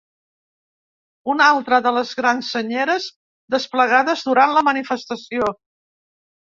Una altra de les grans senyeres desplegades durant la manifestació.